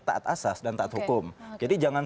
taat asas dan taat hukum jadi jangan